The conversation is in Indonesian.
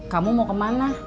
kamu mau kemana